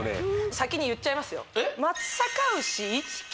先に言っちゃいますよえっ？